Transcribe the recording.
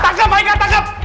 tanggep haikal tanggep